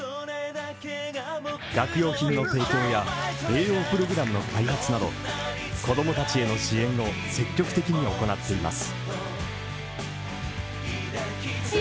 学用品の提供や栄養プログラムの開発など子供たちへの支援を積極的に行っています。